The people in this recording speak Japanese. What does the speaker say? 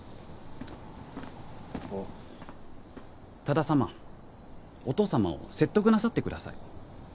多田様お父様を説得なさってください。ですから。